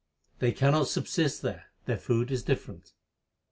1 They cannot subsist there ; their food is different.